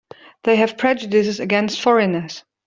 They have prejudices against foreigners.